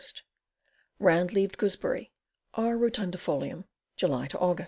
Round leaved Gooseberry. R. rotundifolium. July Aug.